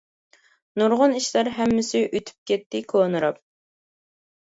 نۇرغۇن ئىشلار ھەممىسى ئۆتۈپ كەتتى كونىراپ.